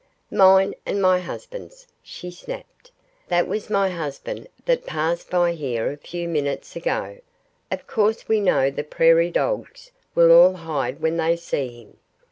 "Mine and my husband's!" she snapped. "That was my husband that passed by here a few minutes ago. Of course we know the Prairie Dogs will all hide when they see him.